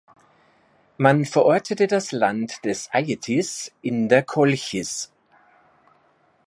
Man verortete das Land des Aietes in der Kolchis.